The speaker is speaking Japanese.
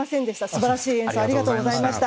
素晴らしい演奏をありがとうございました。